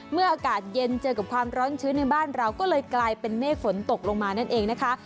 อากาศเย็นเจอกับความร้อนชื้นในบ้านเราก็เลยกลายเป็นเมฆฝนตกลงมานั่นเองนะคะ